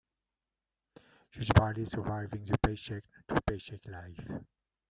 She is barely surviving the paycheck to paycheck life.